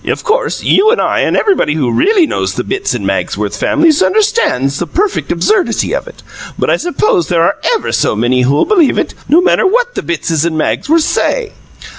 "Of course you and I and everybody who really knows the Bitts and Magsworth families understand the perfect absurdity of it; but I suppose there are ever so many who'll believe it, no matter what the Bittses and Magsworths say."